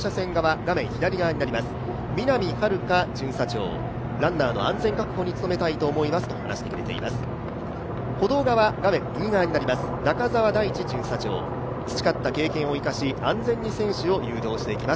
画面左側になります、南晴佳巡査長ランナーの安全確保に努めたいと思いますと話してくれています。